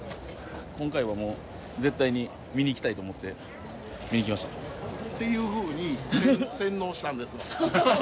今回はもう絶対に見にいきたいと思って見にきましたっていうふうに洗脳したんですわハハハ